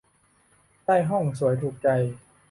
ได้ห้องสวยถูกใจ